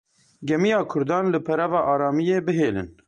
Gemiya kurdan li perava aramiyê bihêlin.